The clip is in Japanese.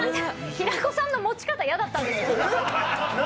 平子さんの持ち方嫌だったんですけど。